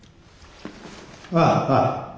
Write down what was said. ああ。